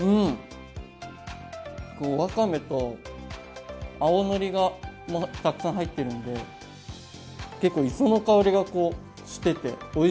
わかめと青のりがたくさん入ってるので結構磯の香りがしてておいしい！